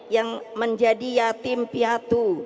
yang menjadi yatim piatu